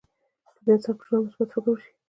چې د انسان پر ژوند مثبت فکر وشي.